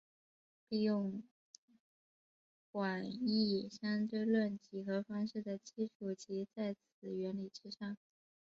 利用广义相对论几何方式的基础即在此原理之上。